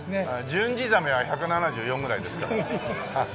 ジュンジザメは１７４ぐらいですから。